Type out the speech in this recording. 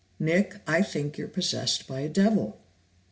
Nick, I think you're possessed by a devil!"